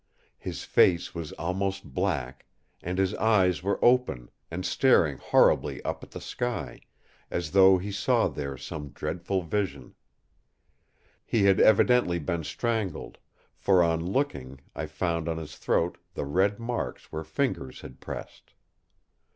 His face was almost black; and his eyes were open, and staring horribly up at the sky, as though he saw there some dreadful vision. He had evidently been strangled; for on looking, I found on his throat the red marks where fingers had pressed.